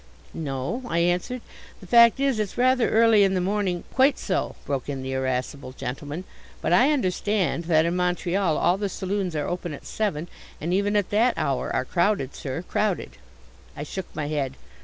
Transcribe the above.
"No," I answered. "The fact is it's rather early in the morning " "Quite so," broke in the irascible gentleman, "but I understand that in Montreal all the saloons are open at seven, and even at that hour are crowded, sir, crowded." I shook my head.